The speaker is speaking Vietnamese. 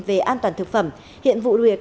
về an toàn thực phẩm hiện vụ luyện